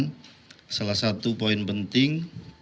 dan salah satu poin penting